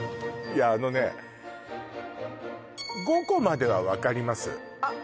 いやあのね５個までは分かりますあっ